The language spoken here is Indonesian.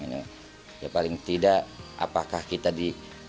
ya paling tidak apakah kita di